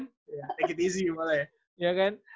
takit easy malah ya